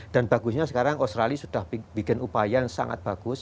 dan bagusnya sekarang australia sudah bikin upaya yang sangat bagus